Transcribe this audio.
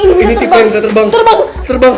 ini tipe yang bisa terbang